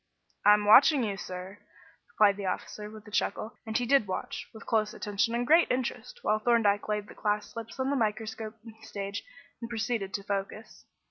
"I'm watching you, sir," replied the officer, with a chuckle; and he did watch, with close attention and great interest, while Thorndyke laid the glass slips on the microscope stage and proceeded to focus.